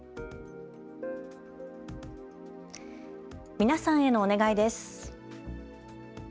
皆さんへのお願いです。